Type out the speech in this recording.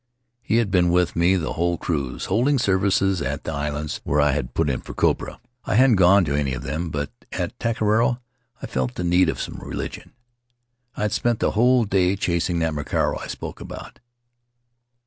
He had been with me the whole cruise, holding services at the islands where I had put in for copra. I hadn't gone to any of them, but at Taka Raro I felt the need of some religion. I had spent the whole day chasing that Maroaki I spoke about.